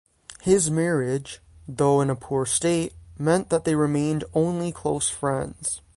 His marriage, though in a poor state, meant that they remained only close friends.